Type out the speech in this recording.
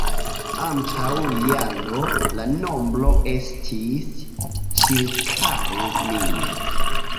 Antaŭ jaro, la nombro estis ĉirkaŭ mil.